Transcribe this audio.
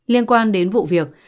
liên quan đến vụ việc